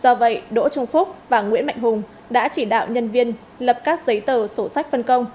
do vậy đỗ trung phúc và nguyễn mạnh hùng đã chỉ đạo nhân viên lập các giấy tờ sổ sách phân công